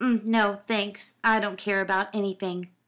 "No, thanks, I don't care about anything."